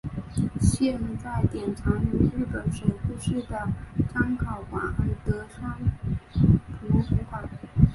现在典藏于日本水户市的彰考馆德川博物馆。